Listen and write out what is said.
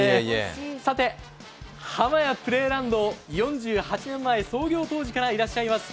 さて、浜屋プレイランド４８年前、創業当時からいらっしゃいます。